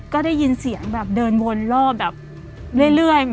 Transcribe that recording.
ก็ได้ยินเสียงเดินวนรอบเรื่อย